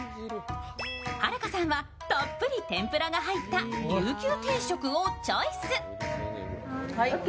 はるかさんはたっぷり天ぷらが入った琉球定食をチョイス。